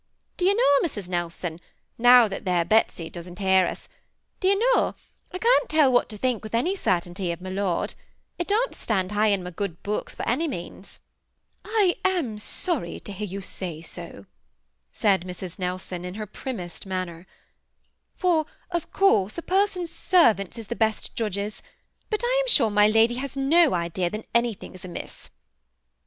Do you know Mrs. Nelson, now that there Betsy don't hear us, — do you know, I can't tell what to think with any cer^ tainty of my lord. He d(m't stand high in my good books by any means." " I am sorry to hear you say so," said Mrs. Nelson, in her primmest manner, ^'for of course a person's servants is the best judges ; but I am sure my lady has no idea that anything is amiss."